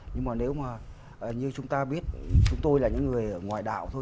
nhưng mà nếu mà như chúng ta biết chúng tôi là những người ngoại đạo thôi